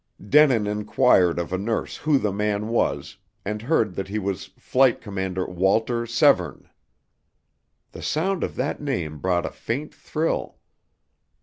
Denin enquired of a nurse who the man was, and heard that he was Flight Commander Walter Severne. The sound of that name brought a faint thrill.